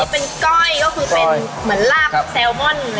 อันนี้เป็นก่อยก็คือเป็นเหมือนราบแซลม่อน